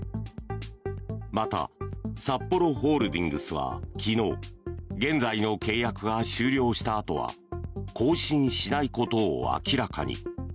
またサッポロホールディングスは昨日現在の契約が終了したあとは更新しないことを明らかに。